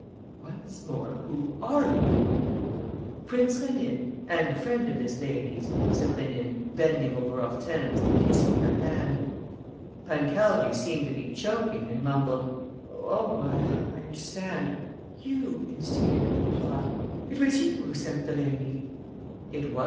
"Once more, who are you?" "Prince Rénine ... and a friend of this lady's," said Rénine, bending over Hortense and kissing her hand. Pancaldi seemed to be choking, and mumbled: "Oh, I understand!... You instigated the plot ... it was you who sent the lady...." "It was, M.